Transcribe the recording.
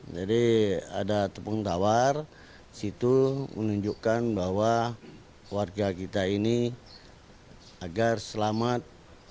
jadi ada tepung tawar situ menunjukkan bahwa warga kita ini agar selamat